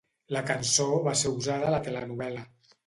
La cançó va ser usada a la telenovel·la.